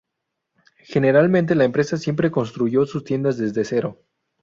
Generalmente la empresa siempre construyó sus tiendas desde cero.